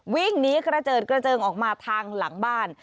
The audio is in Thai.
วิ่งหนีกระเจิดกระเจิงออกมาทางหลังบ้าน